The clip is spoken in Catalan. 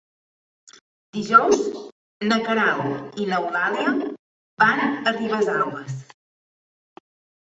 Dijous na Queralt i n'Eulàlia van a Ribesalbes.